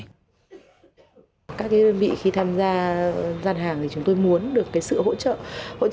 các đơn vị khi tham gia gian hàng thì chúng tôi muốn được cái sự hỗ trợ